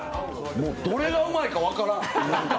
どれがうまいか分からん。